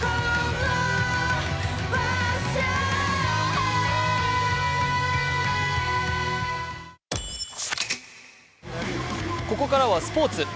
ーここからはスポーツ。